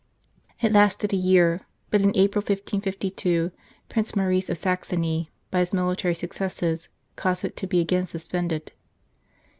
It lasted a year ; but in April, 1552, Prince Maurice of Saxony, by his military successes, caused it to be again suspended.